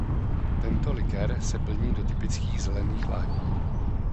Tento likér se plní do typických zelených lahví.